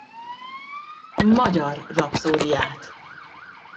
Magyar rapszódiát.